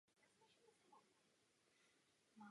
Takový mechanismus je odměna za správné ekologické chování.